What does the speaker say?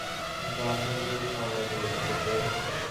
دانت انگور کھانے سے ہلتے تھے